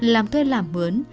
làm thuê làm mướn